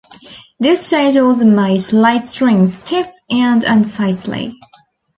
This change also made light strings stiff and unsightly.